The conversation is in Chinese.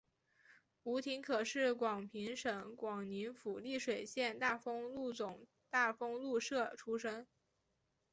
吴廷可是广平省广宁府丽水县大丰禄总大丰禄社出生。